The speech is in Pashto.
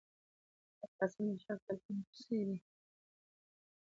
شېخ قاسم د شېخ سلطان کوسی دﺉ.